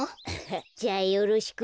じゃあよろしく。